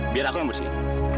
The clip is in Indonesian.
biar aku yang bersihin